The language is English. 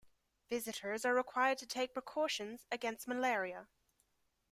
Visitors are required to take precautions against malaria.